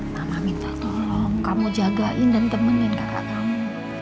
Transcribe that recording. mama minta tolong kamu jagain dan temenin kakak kamu